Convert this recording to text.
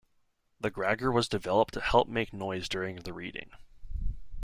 The gragger was developed to help make noise during the reading.